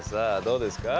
どうですか。